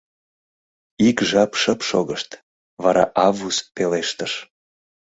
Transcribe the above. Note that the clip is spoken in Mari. Ик жап шып шогышт, вара Аввус пелештыш: